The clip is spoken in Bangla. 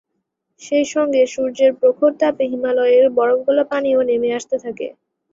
সেই সঙ্গে সূর্যের প্রখর তাপে হিমালয়ের বরফগলা পানিও নেমে আসতে থাকে।